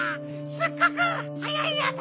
すっごくはやいあさ！